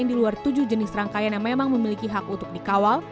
di luar tujuh jenis rangkaian yang memang memiliki hak untuk dikawal